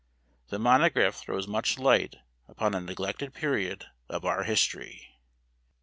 The monograph throws much light upon a neglected period of our history. E.